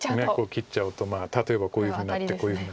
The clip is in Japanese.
切っちゃうと例えばこういうふうになってこういうふうに。